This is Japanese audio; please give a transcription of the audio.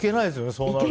そうなると。